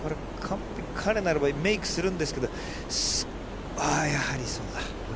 彼ならばメークするんですけれども、やはりそうだ。